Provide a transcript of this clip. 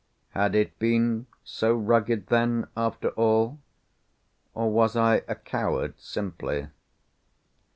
Had it been so rugged then after all? or was I a coward simply?